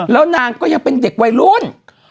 แล้วนางก็ยังเป็นเด็กวัยรุ่น